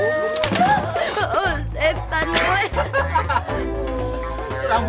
enak enak jangan enak